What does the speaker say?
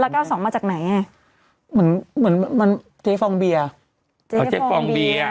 แล้วเก้าสองมาจากไหนเหมือนเหมือนมันเจ๊ฟองเบียเอาเจ๊ฟองเบีย